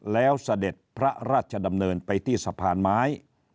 แล้วเสด็จพระราชดำเนินไปที่สะพานไม้